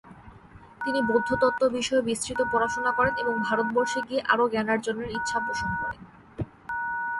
তিনি বৌদ্ধতত্ত্ব বিষয়ে বিস্তৃত পড়াশোনা করেন এবং ভারতবর্ষে গিয়ে অরো জ্ঞানার্জনের ইচ্ছা পোষণ করেন।